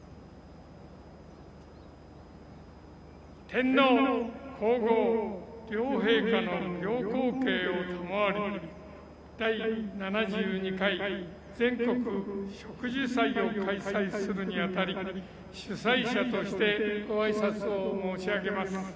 天皇皇后両陛下の行幸啓を賜り第７２回全国植樹祭を開催するにあたり主催者としてご挨拶を申し上げます。